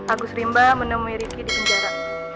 agus rimba menemui riki di penjara